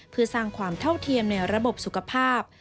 เพื่อสร้างความเท่าเทียมในระบบสุขภาพ